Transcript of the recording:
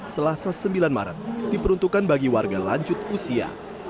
selasa sembilan maret diperuntukkan bagi warga lanjut usia